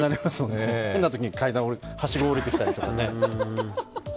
変なときにはしごがおりてきたりとかね。